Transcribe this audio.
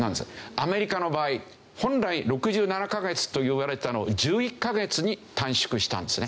アメリカの場合本来６７カ月といわれたのを１１カ月に短縮したんですね。